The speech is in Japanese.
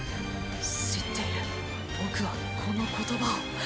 知っている僕はこの言葉を。